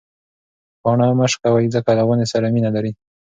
پاڼه مه شکوئ ځکه له ونې سره مینه لري.